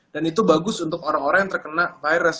itu bagus untuk orang orang yang terkena virus